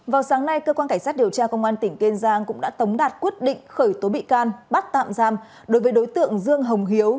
vào sáng nay cơ quan cảnh sát điều tra công an tỉnh kiên giang cũng đã tống đạt quyết định khởi tố bị can bắt tạm giam đối với đối tượng dương hồng hiếu